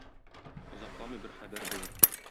Озакламый бер хәбәр булыр.